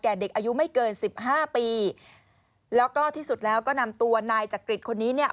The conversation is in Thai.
เด็กอายุไม่เกินสิบห้าปีแล้วก็ที่สุดแล้วก็นำตัวนายจักริตคนนี้เนี่ย